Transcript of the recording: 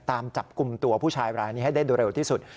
ตามจับกลุ่มตัวผู้ชายรายนี้ให้ได้โดยเร็วที่สุด